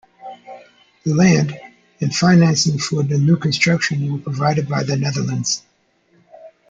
The land and financing for the new construction were provided by the Netherlands.